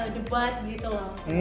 debat gitu loh